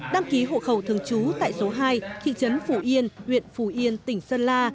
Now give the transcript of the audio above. đăng ký hộ khẩu thường trú tại số hai thị trấn phủ yên huyện phù yên tỉnh sơn la